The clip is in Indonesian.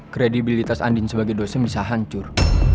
kredibilitas andin sebagai dosen bisa hancur